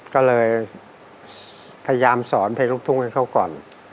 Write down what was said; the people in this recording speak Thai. ก็เลยพยายามสอนเพลงลูกทุ่งให้เขาก่อน